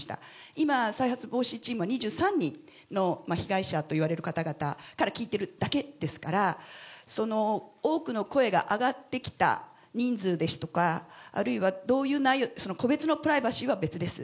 今、再発防止チームは２３人の被害者といわれる方々から聞いてるだけですから、多くの声が上がってきた人数ですとか、あるいはどういう内容、個別のプライバシーは別です。